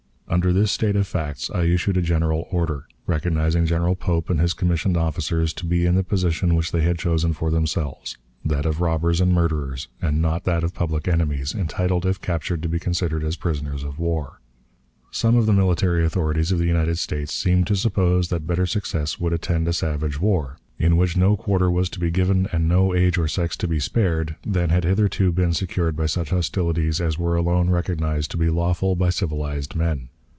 Under this state of facts, I issued a general order, recognizing General Pope and his commissioned officers to be in the position which they had chosen for themselves that of robbers and murderers, and not that of public enemies, entitled, if captured, to be considered as prisoners of war. Some of the military authorities of the United States seemed to suppose that better success would attend a savage war, in which no quarter was to be given and no age or sex to be spared, than had hitherto been secured by such hostilities as were alone recognized to be lawful by civilized men.